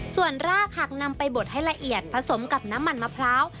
ส่วนรากหากนำไปบดให้ละเอียดผสมกับน้ำมันมะพร้าว